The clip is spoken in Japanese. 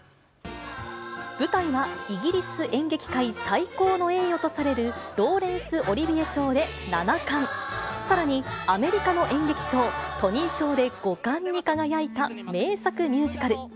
舞台は、イギリス演劇界、最高の栄誉とされるローレンス・オリヴィエ賞で７冠、さらにアメリカの演劇賞、トニー賞で５冠に輝いた名作ミュージカル。